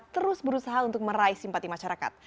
terus berusaha untuk meraih simpati masyarakat